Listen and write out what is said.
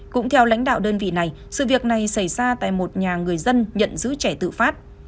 cũng theo lãnh đạo đơn vị này sự việc này xảy ra tại một nhà người dân nhận giữ trẻ tự phát